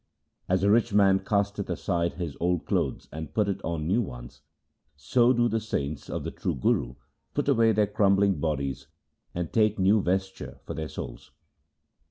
As a rich man casteth aside his old clothes and putteth on new ones, so do the saints of the true Guru put away their crumbling bodies, and take new vesture for their souls.